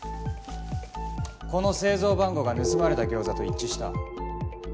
この製造番号が盗まれた餃子と一致した。